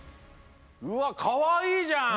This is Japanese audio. うわっかわいいじゃん！